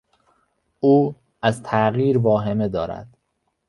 او از تغییر واهمه دارد.